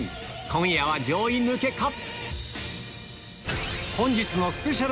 今夜は上位抜けか？